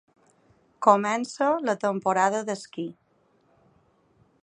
Comença la temporada d’esquí.